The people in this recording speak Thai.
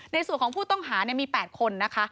ในส่วนของผู้ต้องหามี๘คนนะคะ